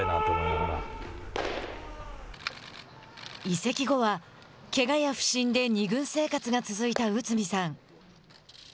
移籍後は、けがや不振で２軍生活が長く続いた内海さん。